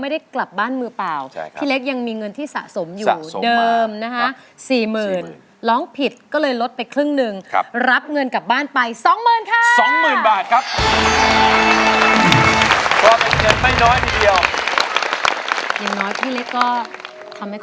มันไม่แค่ปูคำซ้อนหัวปูคือสาเจแค่ใครไม่มาเอา